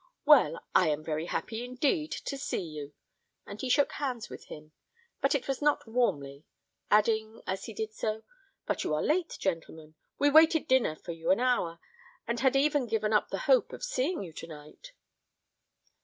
Well, I am very happy, indeed, to see you;" and he shook hands with him, but it was not warmly, adding, as he did so, "but you are late, gentlemen. We waited dinner for you an hour, and had even given up the hope of seeing you to night."